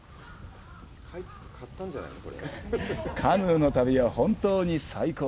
カヌーの旅は本当に最高。